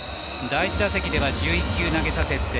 第１打席は１１球投げさせました。